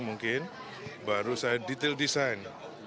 mungkin baru saya detail desain